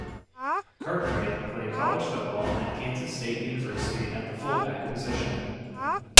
Cartwright played college football at Kansas State University at the fullback position.